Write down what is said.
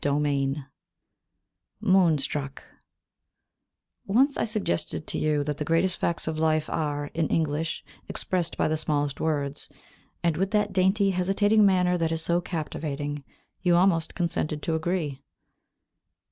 XXVII MOONSTRUCK Once I suggested to you that the greatest facts of life are, in English, expressed by the smallest words, and, with that dainty, hesitating manner that is so captivating, you almost consented to agree.